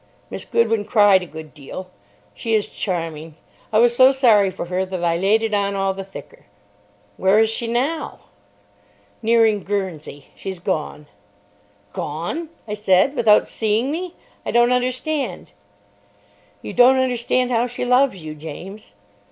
Miss Goodwin cried a good deal. She is charming. I was so sorry for her that I laid it on all the thicker." "Where is she now?" "Nearing Guernsey. She's gone." "Gone!" I said. "Without seeing me! I don't understand." "You don't understand how she loves you, James."